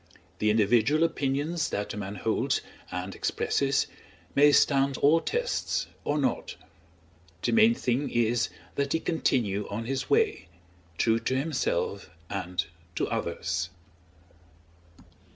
The individual opinions that a man holds and expresses may stand all tests or not; the main thing is that he continue on his way, true to himself and to others!